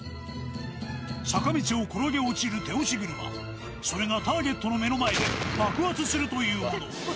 坂道を転げ落ちる手押し車、それがターゲットの目の前で爆発するというもの。